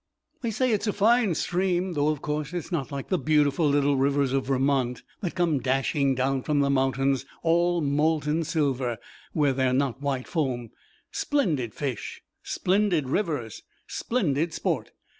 They say it's a fine stream, though, of course, it's not like the beautiful little rivers of Vermont, that come dashing down from the mountains all molten silver, where they're not white foam. Splendid fish! Splendid rivers! Splendid sport!